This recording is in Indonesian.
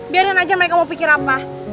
biarin aja mereka mau pikir apa